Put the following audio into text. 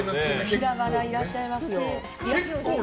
ひらがな、いらっしゃいますよ。